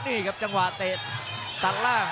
นี่ครับจังหวะเตะตัดล่าง